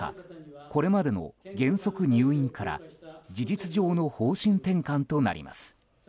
これまでの原則入院から事実上の方針転換となります。